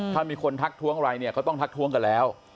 ถ้ามีคนทักท้วงอะไรเนี่ยเขาต้องทักท้วงกันแล้ว